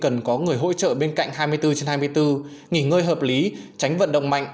cần có người hỗ trợ bên cạnh hai mươi bốn trên hai mươi bốn nghỉ ngơi hợp lý tránh vận động mạnh